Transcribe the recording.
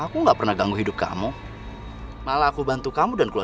tetapinya kita perlu masuk ke mana dulu